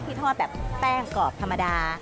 ทอดแบบแป้งกรอบธรรมดา